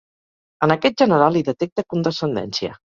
En aquest general hi detecta condescendència.